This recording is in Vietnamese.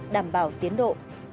đảm bảo tiến độ